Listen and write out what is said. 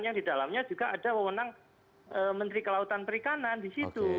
yang di dalamnya juga ada wewenang menteri kelautan perikanan di situ